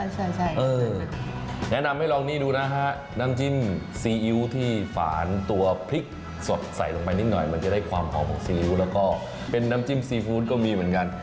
แนะนำให้ลองนี่ดูนะฮะน้ำจิ้มซีอิ๊วที่ฝานตัวพริกสดใส่ลงไปนิดหน่อยมันจะได้ความหอมของซีอิ๊วแล้วก็เป็นน้ำจิ้มซีฟู้ดก็มีเหมือนกัน